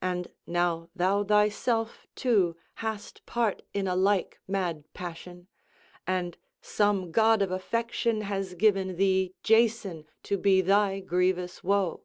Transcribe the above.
And now thou thyself too hast part in a like mad passion; and some god of affection has given thee Jason to be thy grievous woe.